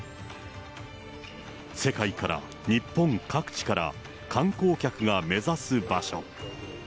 世界から、日本各地から、観光客が目指す場所。